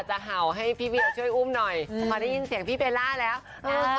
ใช่ก็ช่วยกันเลี้ยงแล้วนะ